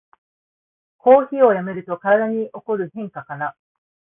コーヒーをやめると体に起こる変化かな